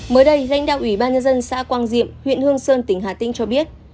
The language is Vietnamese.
mới đây lãnh đạo ủy ban nhân dân xã quang diệm huyện hương sơn tỉnh hà tĩnh cho biết